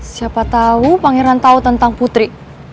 siapa tau pangeran tau tentang putri